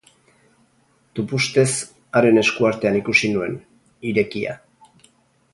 Tupustez haren esku artean ikusi nuen, irekia.